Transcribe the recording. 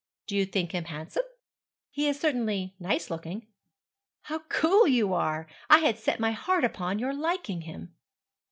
Do you think him handsome?' 'He is certainly nice looking.' 'How cool you are! I had set my heart upon your liking him.'